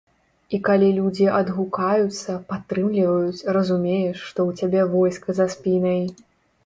І калі людзі адгукаюцца, падтрымліваюць, разумееш, што ў цябе войска за спінай.